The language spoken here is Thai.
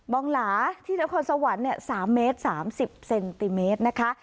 องหลาที่นครสวรรค์๓เมตร๓๐เซนติเมตรนะคะ